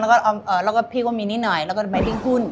แล้วก็พี่ก็มีนิดหน่อยแล้วก็ใบดิ้งหุ้น